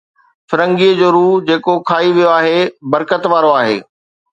فرنگي جو روح جيڪو کائي ويو آهي، برڪت وارو آهي